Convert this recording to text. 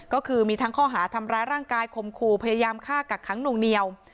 ก็คือมีทั้งข้อหาทำร้ายร่างกายคมคู่พยายามฆ่ากักขังหน่วงเหนียว